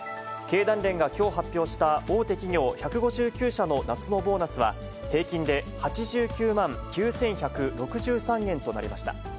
経団連がきょう発表した、大手企業１５９社の夏のボーナスは、平均で８９万９１６３円となりました。